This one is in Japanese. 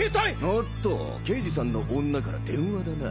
おっと刑事さんの女から電話だな。